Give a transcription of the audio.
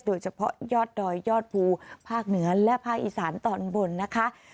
โดยเฉพาะยอดดอยยอดภูภาคเหนือและภาคอีสานตอนบนนะคะ